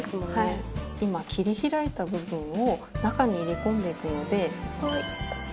今切り開いた部分を中に入れ込んでいくので。